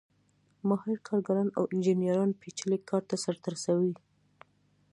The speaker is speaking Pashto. ماهر کارګران او انجینران پېچلی کار ترسره کوي